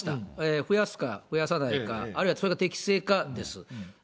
増やすか増やさないか、あるいはそれが適正かです。